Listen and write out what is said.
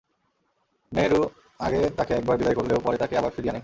নেহরু আগে তাঁকে একবার বিদায় করলেও পরে তাঁকে আবার ফিরিয়ে আনেন।